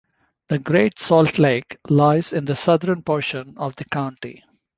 The Great Salt Lake lies in the southern portion of the county.